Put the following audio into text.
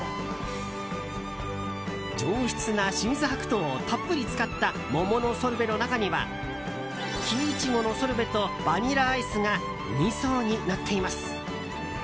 上質な清水白桃をたっぷり使った桃のソルベの中には木苺のソルベとバニラアイスが２層になっています。